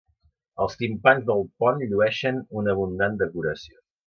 Els timpans del pont llueixen una abundant decoració.